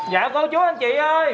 dạ cô chú anh chị ơi